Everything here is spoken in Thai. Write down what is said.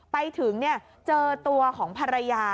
ไปถึงเจอตัวของภรรยา